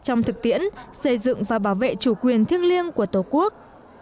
trong thực tiễn xây dựng và bảo vệ chủ quyền thiêng liêng của tổ quốc